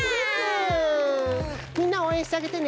みんなおうえんしてあげてね。